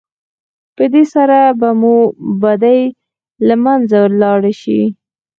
په دې سره به مو بدۍ له منځه لاړې شي.